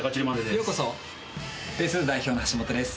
ようこそベースフード代表の橋本です